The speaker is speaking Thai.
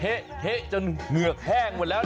เฮ่เฮ่เฮ่จนเหลือแห้งหมดแล้วหนิ